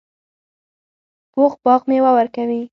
پوخ باغ میوه ورکوي